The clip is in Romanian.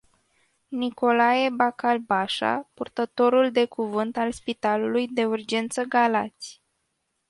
Nicolae bacalbașa, purtătorul de cuvânt al spitalului de urgență Galați.